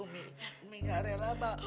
umi umi gak rela mbak